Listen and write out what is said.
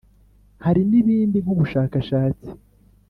Hari n’ibindi nk’ubushakashatsi